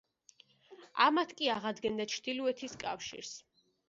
ამით კი აღადგენდა ჩრდილოეთის კავშირს.